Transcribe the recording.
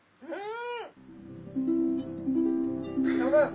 うん！